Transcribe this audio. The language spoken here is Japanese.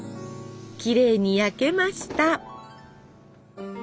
きれいに焼けました。